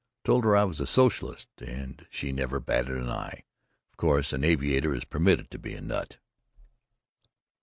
Told her I was a socialist and she never batted an eye—of course an aviator is permitted to be a nut.